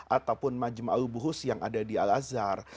ataupun majimah al buhus yang ada di al azhar